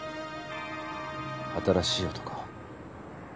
新しい男。